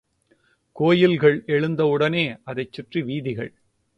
கோயில்கள் எழுந்த உடனே அதைச் சுற்றி வீதிகள்.